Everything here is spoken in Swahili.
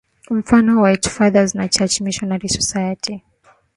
mfano White Fathers na Church Missionary Society